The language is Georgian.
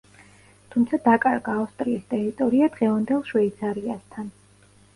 თუმცა დაკარგა ავსტრიის ტერიტორია დღევანდელ შვეიცარიასთან.